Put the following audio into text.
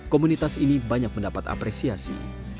komunitas ini banyak mendapat apresiasi